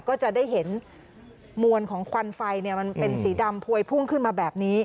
ก็จะได้เห็นมวลของควันไฟมันเป็นสีดำพวยพุ่งขึ้นมาแบบนี้